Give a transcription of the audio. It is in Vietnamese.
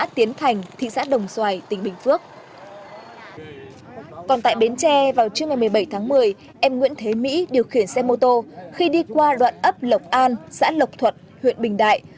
bảy tháng một mươi em nguyễn thế mỹ điều khiển xe mô tô khi đi qua đoạn ấp lộc an xã lộc thuật huyện bình đại